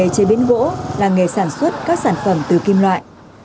chế biến gỗ là nghề sản xuất các sản phẩm từ kim loại